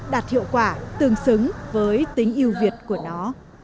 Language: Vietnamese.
đạt hiệu quả tương xứng với tính yêu việt của nó